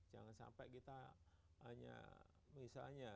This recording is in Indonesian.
jangan sampai kita hanya misalnya